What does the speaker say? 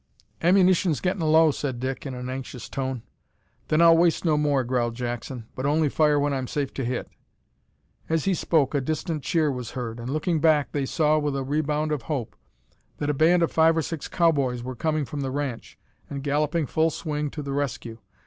"Ammunition's gettin' low," said Dick, in an anxious tone. "Then I'll waste no more," growled Jackson, "but only fire when I'm safe to hit." As he spoke a distant cheer was heard, and, looking back, they saw, with a rebound of hope, that a band of five or six cow boys were coming from the ranch and galloping full swing to the rescue.